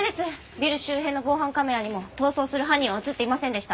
ビル周辺の防犯カメラにも逃走する犯人は映っていませんでした。